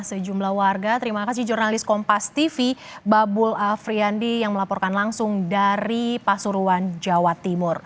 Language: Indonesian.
sejumlah warga terima kasih jurnalis kompas tv babul afriandi yang melaporkan langsung dari pasuruan jawa timur